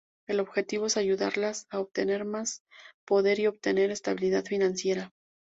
El objetivo es ayudarlas a obtener más poder y obtener "estabilidad financiera".